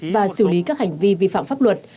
và xử lý các hành vi vi phạm pháp luật